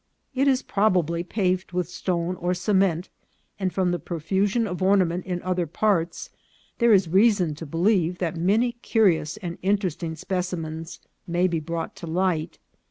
It is probably paved with stone or cement ; and from the profusion of ornament in other parts, there is reason to believe that many curious and interesting specimens may be brought to light.